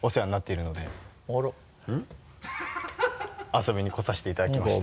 遊びに来させていただきました。